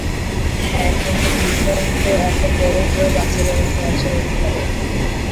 হ্যাঁ, কিন্তু বিক্রম তো এত বড় হয়েও বাচ্চাদের মত আচরণ করে!